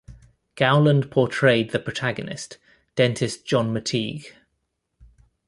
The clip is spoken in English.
Gowland portrayed the protagonist, dentist John McTeague.